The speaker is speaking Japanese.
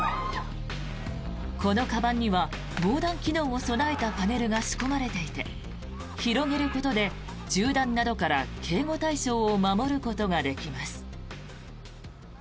このかばんには防弾機能を備えたパネルが仕込まれていて広げることで銃弾などから警護対象を守ることができます。